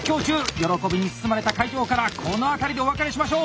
喜びに包まれた会場からこの辺りでお別れしましょう。